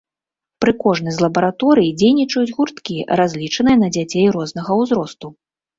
Пры кожнай з лабараторый дзейнічаюць гурткі, разлічаныя на дзяцей рознага ўзросту.